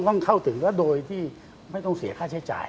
ต้องเข้าถึงแล้วโดยที่ไม่ต้องเสียค่าใช้จ่าย